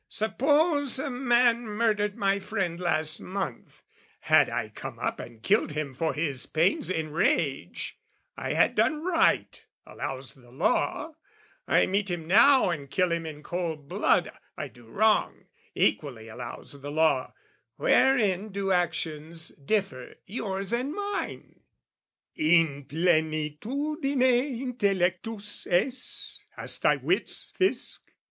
"Suppose a man murdered my friend last month: "Had I come up and killed him for his pains "In rage, I had done right, allows the law: "I meet him now and kill him in cold blood, "I do wrong, equally allows the law: "Wherein do actions differ, yours and mine?" In plenitudine intellectus es? Hast thy wits, Fisc?